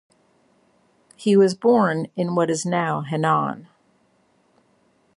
He was born in what is now Henan.